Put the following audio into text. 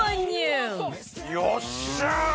よっしゃ！